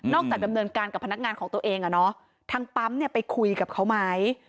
จากดำเนินการกับพนักงานของตัวเองทางปั๊มเนี่ยไปคุยกับเขาไหม